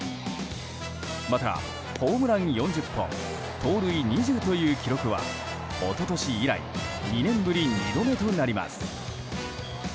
また、ホームラン４０本盗塁２０という記録は一昨年以来２年ぶり２度目となります。